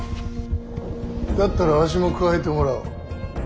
だったらわしも加えてもらおう。